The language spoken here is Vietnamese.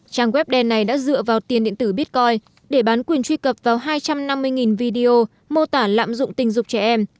trang web đen này đã dựa vào tiền điện tử bitcoin để bán quyền truy cập vào hai trăm năm mươi video mô tả lạm dụng tình dục trẻ em